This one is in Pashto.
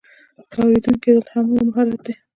ښه اوریدونکی کیدل هم یو مهم مهارت دی.